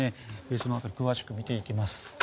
その辺り詳しく見ていきます。